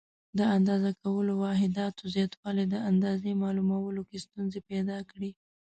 د اندازه کولو واحداتو زیاتوالي د اندازې معلومولو کې ستونزې پیدا کړې.